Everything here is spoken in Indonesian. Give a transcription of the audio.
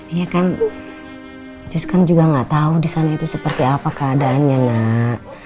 iya kan sus kan juga gak tau disana itu seperti apa keadaannya nak